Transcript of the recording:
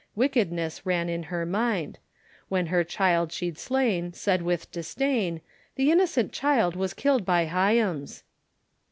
Wickedness ran in her mind, When her child she'd slain, said with disdain, The innocent child was killed by Highams.